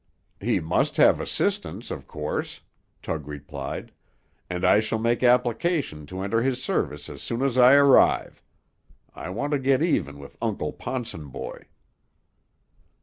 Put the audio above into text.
"He must have assistants, of course," Tug replied, "and I shall make application to enter his service as soon as I arrive. I want to get even with Uncle Ponsonboy."